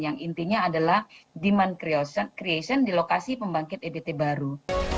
yang intinya adalah demand creation di lokasi pembangkit ebt baru